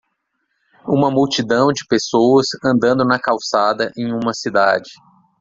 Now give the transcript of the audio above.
Uma multidão de pessoas andando na calçada em uma cidade.